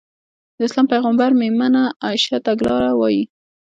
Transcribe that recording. د اسلام پيغمبر ص مېرمنه عايشه تګلاره وايي.